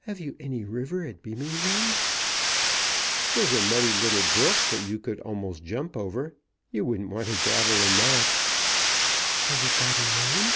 "Have you any river at Beamingham?" "There's a muddy little brook that you could almost jump over. You wouldn't want to dabble in that." "Has it got a name?"